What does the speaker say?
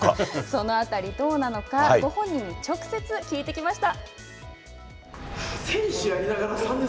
その辺り、どうなのか、ご本人に直接聞いてきました。